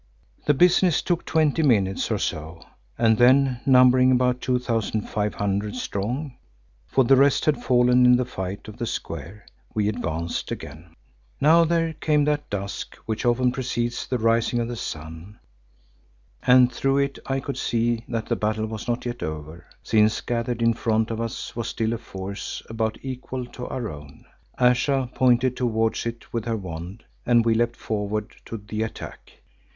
The business took twenty minutes or so, and then, numbering about two thousand five hundred strong, for the rest had fallen in the fight of the square, we advanced again. Now there came that dusk which often precedes the rising of the sun, and through it I could see that the battle was not yet over, since gathered in front of us was still a force about equal to our own. Ayesha pointed towards it with her wand and we leapt forward to the attack.